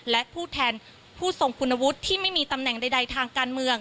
และผู้แทนผู้ทรงคุณวุฒิที่ไม่มีตำแหน่งใดทางการเมือง